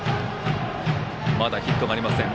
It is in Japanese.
まだヒットがありません。